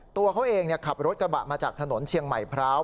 ตัวเขาเองขับรถกระบะมาจากถนนเชียงใหม่พร้าว